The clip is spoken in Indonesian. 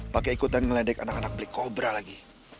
pakai ikutan ngeledek anak anak black cobra lagi